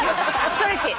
ストレッチ。